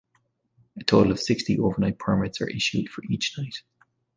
A total of sixty overnight permits are issued for each night.